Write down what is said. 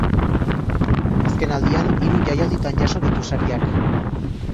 Azken aldian hiru jaialditan jaso ditu sariak.